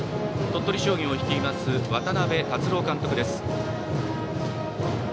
鳥取商業を率います渡辺達郎監督です。